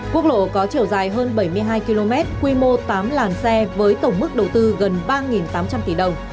quốc lộ có chiều dài hơn bảy mươi hai km quy mô tám làn xe với tổng mức đầu tư gần ba tám trăm linh tỷ đồng